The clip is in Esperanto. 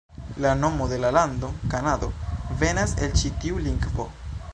La nomo de la lando, Kanado, venas el ĉi tiu lingvo.